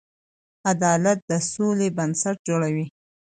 عدالت د سولې بنسټ جوړوي.